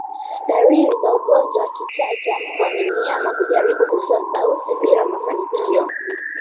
Dalili za ugonjwa wa kichaa cha mbwa ni mnyama kujaribu kutoa sauti bila mafanikio